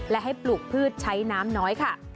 และให้ปลูกพืชใช้น้ำน้อยค่ะ